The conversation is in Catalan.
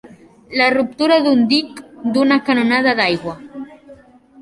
La ruptura d'un dic, d'una canonada d'aigua.